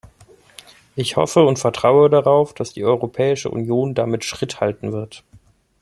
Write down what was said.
Ich hoffe und vertraue darauf, dass die Europäische Union damit Schritt halten wird.